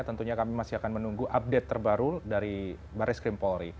tentunya kami masih akan menunggu update terbaru dari baris krim polri